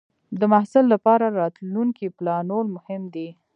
د محصل لپاره راتلونکې پلانول مهم دی.